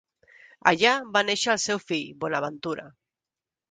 Allà va néixer el seu fill Bonaventura.